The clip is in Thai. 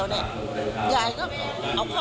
ยายก็เอาข้องไปควบคุมกับมา